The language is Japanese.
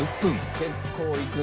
結構いくね！